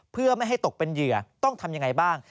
เพื่อไม่ให้ตกเป็นเหยื่อต้องทำยังไงบ้าง